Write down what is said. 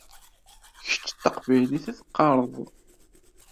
Kečč d taqbaylit i teqqaṛeɣ.